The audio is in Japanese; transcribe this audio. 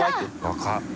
若い！